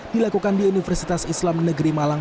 dilakukan di universitas islam negeri malang